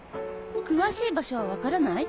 詳しい場所は分からない？